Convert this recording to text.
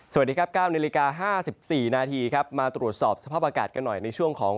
สวัสดีครับ๙นาฬิกา๕๔นาทีครับมาตรวจสอบสภาพอากาศกันหน่อยในช่วงของ